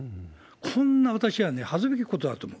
こんな、私は恥ずべきことだと思う。